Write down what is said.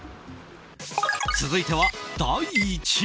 続いては第１位。